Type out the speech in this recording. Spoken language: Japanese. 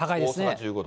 １５度？